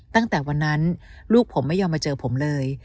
ตั้งแต่วันนั้นลูกผมไม่ยอมมาเจอผมเลย